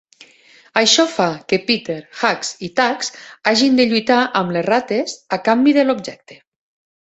Això fa que Peter, Hugs i Tugs hagin de lluitar amb les rates a canvi de l'objecte.